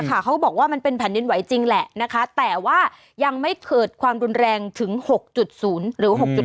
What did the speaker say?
เขาก็บอกว่ามันเป็นแผ่นดินไหวจริงแหละนะคะแต่ว่ายังไม่เกิดความรุนแรงถึง๖๐หรือ๖๗